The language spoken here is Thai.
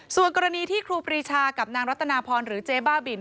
ส่วนกรณีที่ครูปรีชากับนางรัตนาพรหรือเจ๊บ้าบิน